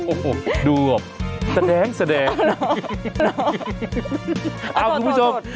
โอ้โหดูอ่ะแต่แดงซะแดง